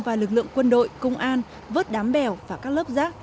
và lực lượng quân đội công an vớt đám bèo và các lớp rác